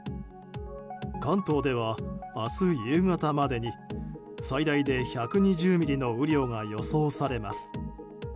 関東では明日夕方までに最大で１２０ミリの雨量が予想されます。